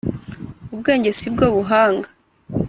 Ubwenge si bwo buhanga